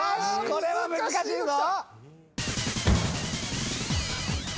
これは難しいぞ。